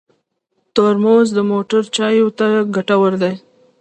ترموز د موټر چایو ته ګټور دی.